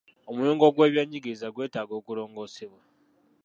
Omuyungo gw'ebyenjigiriza gwetaaga okulongoosebwa.